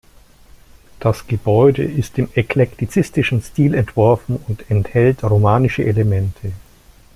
Das Gebäude ist im eklektizistischen Stil entworfen und enthält romanische Elemente.